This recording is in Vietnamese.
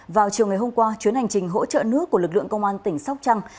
vào chiều ngày hôm qua chuyến hành trình hỗ trợ nước của lực lượng công an tỉnh sóc trăng